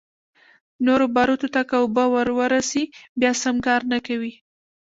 نورو باروتو ته که اوبه ورورسي بيا سم کار نه کوي.